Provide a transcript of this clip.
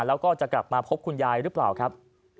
แล้วก็จะกลับมาพบคุณยายหรือเปล่าครับ